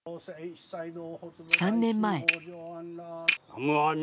３年前。